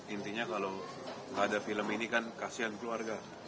intinya kalau nggak ada film ini kan kasihan keluarga